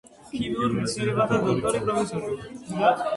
ქიმიურ მეცნიერებათა დოქტორი, პროფესორი.